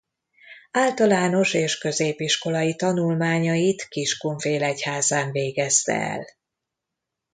Általános és középiskolai tanulmányait Kiskunfélegyházán végezte el.